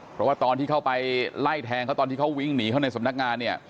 เพราะว่าตอนที่เข้าไปไล่แทงเขาตอนที่เขาวิ่งหนีเข้าในสำนักงานเนี่ย